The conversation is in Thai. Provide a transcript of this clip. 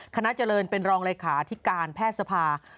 คณะเจริญเป็นรองเลขาที่การแพทย์สภา